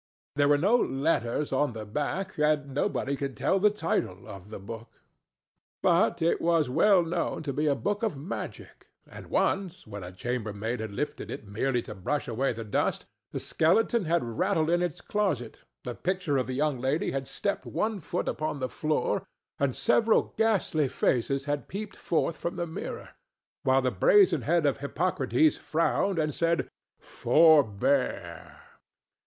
There were no letters on the back, and nobody could tell the title of the book. But it was well known to be a book of magic, and once, when a chambermaid had lifted it merely to brush away the dust, the skeleton had rattled in its closet, the picture of the young lady had stepped one foot upon the floor and several ghastly faces had peeped forth from the mirror, while the brazen head of Hippocrates frowned and said, "Forbear!"